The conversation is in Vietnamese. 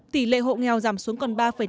tỷ lệ hộ nghèo giảm xuống còn ba năm